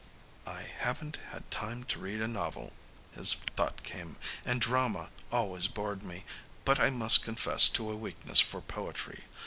"I haven't time to read a novel," his thought came, "and drama always bored me, but I must confess to a weakness for poetry.